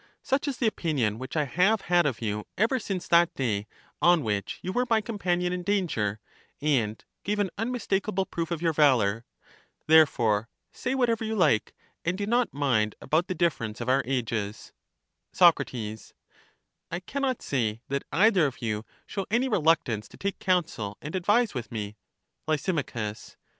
Such is the opinion which I have had of you ever since that day on which you were my companion in danger, and gave an un mistakable proof of your valor. Therefore, say what ever you hke, and do not mind about the difference of our ages. Soc, I can not say that either of you show any re luctance to take counsel and advise with me. Lys.